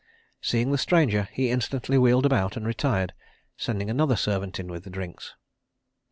Seeing the stranger, he instantly wheeled about and retired, sending another servant in with the drinks.